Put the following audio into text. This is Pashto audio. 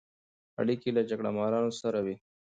اړیکې له جګړه مارانو سره وې.